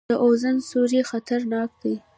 د اوزون سورۍ خطرناک دی